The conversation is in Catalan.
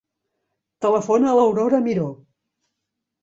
Telefona a l'Aurora Miro.